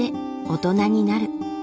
大人になる。